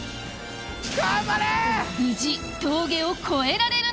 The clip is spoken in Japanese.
頑張れ！